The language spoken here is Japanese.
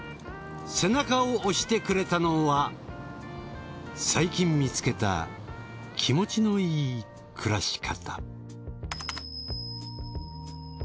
背中を押してくれたのは最近見つけた気持ちのいい暮らし方。